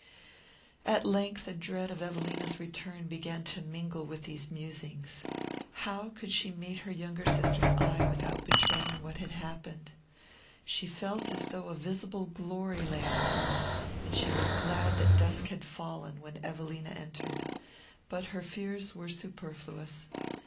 At length a dread of Evelina's return began to mingle with these musings. How could she meet her younger sister's eye without betraying what had happened? She felt as though a visible glory lay on her, and she was glad that dusk had fallen when Evelina entered. But her fears were superfluous.